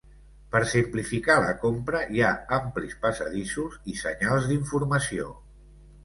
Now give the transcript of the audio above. Per simplificar la compra hi ha amplis passadissos i senyals d'informació.